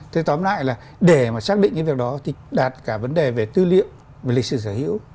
thế tóm lại là để mà xác định cái việc đó thì đạt cả vấn đề về tư liệu về lịch sử sở hữu